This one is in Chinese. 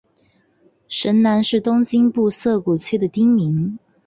神南是东京都涩谷区的町名。